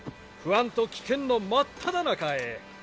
不安と危険の真っただ中へ。